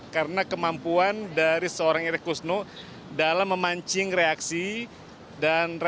karena kemampuan dari seorang ira kusno dalam memancing reaksi dan respon dari orang lainnya